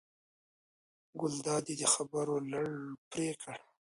ګلداد یې د خبرو لړ پرې کړ.